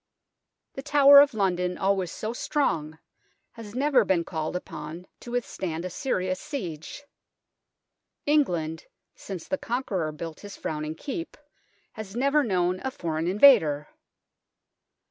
The Tower of London, always so strong, has never been called upon to withstand a serious siege. England, since the Conqueror built his frowning Keep, has never known a foreign invader.